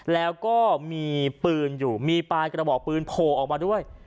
แล้วก็มีปืนอยู่มีปลายกระบอกปืนโผล่ออกมาด้วย